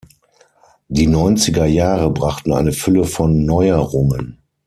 Die neunziger Jahre brachten eine Fülle von Neuerungen.